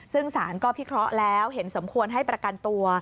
ซึ่งสารก็พิเคราะห์แล้วเห็นสมควรให้ประกันตัว